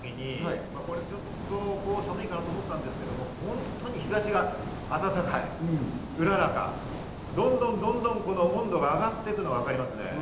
朝来た時にちょっと寒いかな？と思ったんですけど、本当に日差しが暖かい、うららか、どんどん温度が上がっていくのがわかりますね。